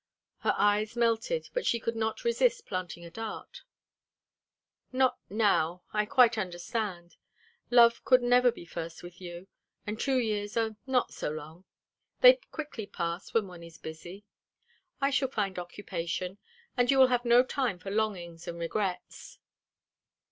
Her eyes melted, but she could not resist planting a dart. "Not now I quite understand: love could never be first with you. And two years are not so long. They quickly pass when one is busy. I shall find occupation, and you will have no time for longings and regrets."